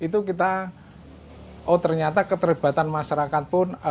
ternyata keterlibatan masyarakat pun